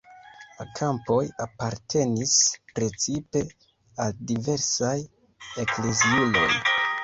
La kampoj apartenis precipe al diversaj ekleziuloj.